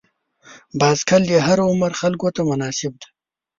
بایسکل د هر عمر خلکو ته مناسب دی.